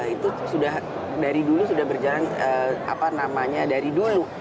itu sudah dari dulu sudah berjalan apa namanya dari dulu